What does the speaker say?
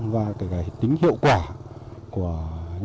và cái tính hiệu quả của đường